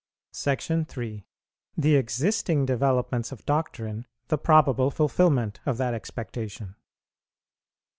SECTION III. THE EXISTING DEVELOPMENTS OF DOCTRINE THE PROBABLE FULFILMENT OF THAT EXPECTATION.